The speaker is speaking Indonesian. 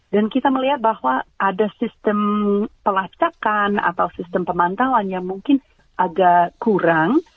dan kita melihat bahwa ada sistem pelacakan atau sistem pemantauan yang mungkin agak kurang